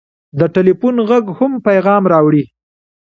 د ټېلفون غږ هم پیغام راوړي.